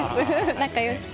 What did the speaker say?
仲良し。